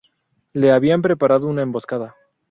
Le habían preparado una emboscada.